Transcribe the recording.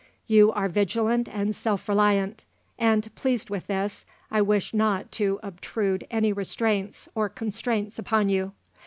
You are vigilant and self reliant; and, pleased with this, I wish not to obtrude any restraints or constraints upon you....